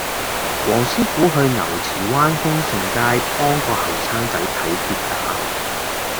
黃師傅去牛池灣豐盛街幫個後生仔睇跌打